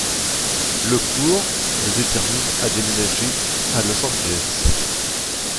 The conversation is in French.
Le cours le détermine à déménager à Los Angeles.